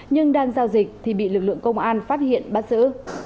nhưng đang giao dịch thì bị lực lượng công an phát hiện bắt giữ